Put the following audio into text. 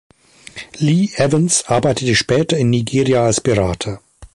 Lee Evans arbeitete später in Nigeria als Berater.